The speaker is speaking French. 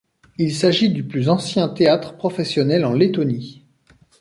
Il s'agit du plus ancien théâtre professionnel en Lettonie.